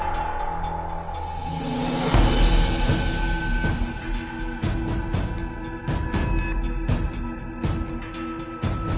พื้นมา